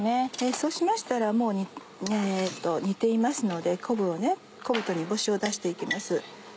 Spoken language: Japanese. そうしましたらもう煮ていますので昆布と煮干しを出して行きます。